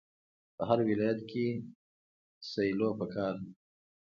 په هر ولایت کې سیلو پکار ده.